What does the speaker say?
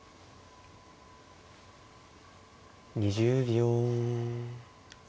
２０秒。